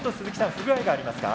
不具合がありますか？